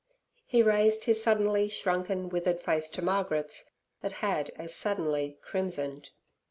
He raised his suddenly shrunken, withered face to Margaret's, that had as suddenly crimsoned.